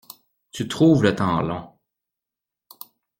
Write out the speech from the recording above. Tu trouves le temps long.